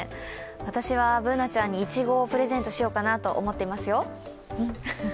私はＢｏｏｎａちゃんに、いちごをプレゼントしようかなと思っていますよ。